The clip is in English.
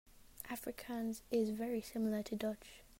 Afrikaans is very similar to Dutch.